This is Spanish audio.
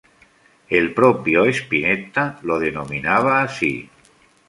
El propio Spinetta lo denominaba así.